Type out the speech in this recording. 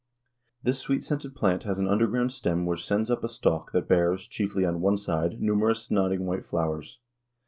This sweet scented plant has an underground stem which sends up a stalk that bears, chiefly on one side, numerous nodding white flowers.